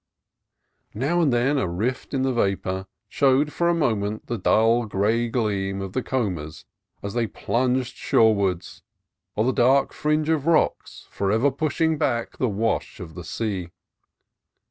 Now and then a rift in the vapor showed for a moment the dull gray gleam of the combers as they plunged shoreward, or the dark fringe of rocks, for ever pushing back the wash of the sea.